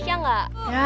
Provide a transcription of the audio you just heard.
jadian kan gemes ya ga